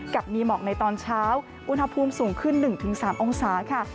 กับมีหมอกในตอนเช้าอุณหภูมิสูงขึ้นหนึ่งถึงสามองศาค่ะ